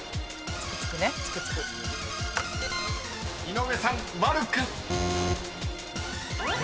［井上さん「わるく」］